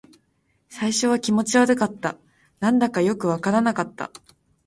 最初は気持ち悪かった。何だかよくわからなかった。